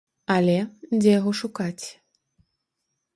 Але, дзе яго шукаць?